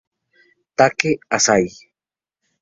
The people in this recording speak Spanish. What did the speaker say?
Take Asai